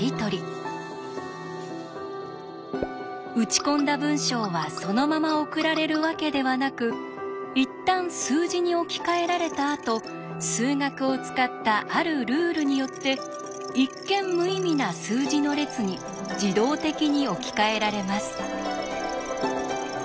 打ち込んだ文章はそのまま送られるわけではなくいったん数字に置き換えられたあと数学を使ったあるルールによって一見無意味な数字の列に自動的に置き換えられます。